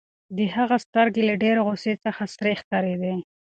د هغه سترګې له ډېرې غوسې څخه سرې ښکارېدې.